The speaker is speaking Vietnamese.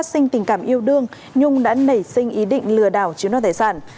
phát sinh tình cảm yêu đương nhung đã nảy sinh ý định lừa đảo chiếm đoạt tài sản